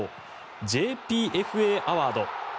ＪＰＦＡアワード。